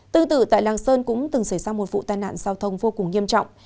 tương tự tại làng sơn cũng từng xảy ra một vụ tai nạn giao thông vô cùng nghiêm trọng